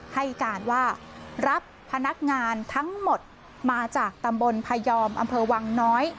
ให้การว่ารับพนักงานทั้งหมดมาจากตำบลพยอมอำเภอวังน้อย